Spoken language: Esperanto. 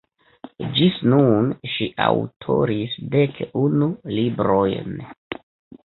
Ĝis nun ŝi aŭtoris dek unu librojn.